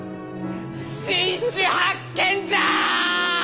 新種発見じゃ！